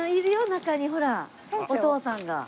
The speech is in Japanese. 中にほらお父さんが。